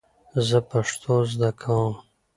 زه پښتو زده کوم